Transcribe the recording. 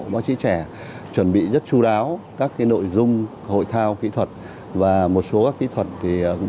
báo chí trẻ chuẩn bị rất chú đáo các nội dung hội thao kỹ thuật và một số các kỹ thuật